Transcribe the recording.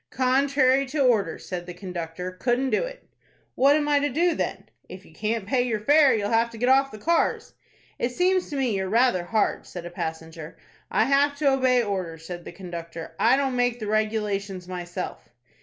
"Contrary to orders," said the conductor. "Couldn't do it." "What am I to do then?" "If you can't pay your fare, you'll have to get off the cars." "It seems to me you're rather hard," said a passenger. "I have to obey orders," said the conductor. "I don't make the regulations myself."